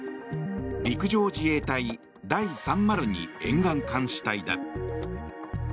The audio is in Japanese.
陸上自衛隊第３０２沿岸監視隊だ。